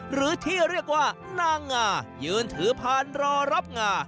หรือที่เรียกว่านางงายืนถือพานรอรับงา